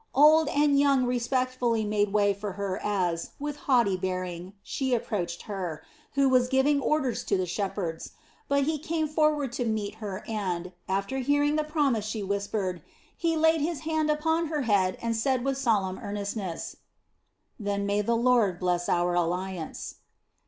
Old and young respectfully made way for her as, with haughty bearing, she approached Hur, who was giving orders to the shepherds; but he came forward to meet her and, after hearing the promise she whispered, he laid his hand upon her head and said with solemn earnestness: "Then may the Lord bless our alliance."